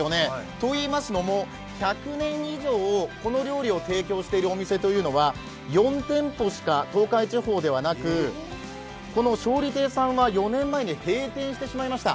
といいますのも１００年以上この料理を提供しているお店というのは４店舗しか東海地方ではなくこの勝利亭さんは４年前に閉店してしまいました。